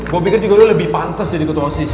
gue pikir juga lo lebih pantes jadi ketua osis